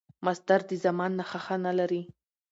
مصدر د زمان نخښه نه لري.